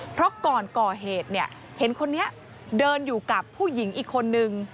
เพราะก่อนก่อเหตุเนี่ยเห็นคนนี้เดินอยู่กับผู้หญิงอีกคนนึง